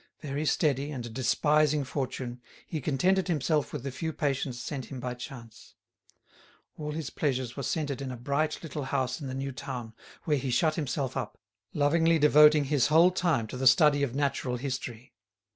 Very steady, and despising fortune, he contented himself with the few patients sent him by chance. All his pleasures were centred in a bright little house in the new town, where he shut himself up, lovingly devoting his whole time to the study of natural history.